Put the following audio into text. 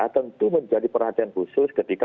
tentu menjadi perhatian khusus ketika